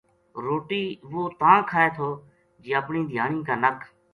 روٹی وہ تاں کھائے تھو جی اپنی دھیانی کا نَک